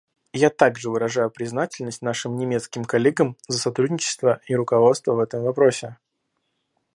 Я также выражаю признательность нашим немецким коллегам за сотрудничество и руководство в этом вопросе.